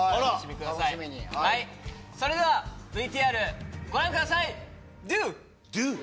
それではＶＴＲご覧ください！